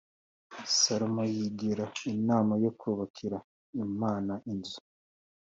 Salomo yigira inama yo kubakira Imana inzu